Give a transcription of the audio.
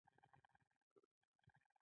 عقل بېخیاله بېروحه دی.